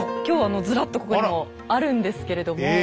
今日あのずらっとここにもあるんですけれども。